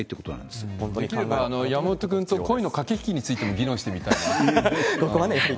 できれば山本君と、今度恋の駆け引きについても議論してみたいなって。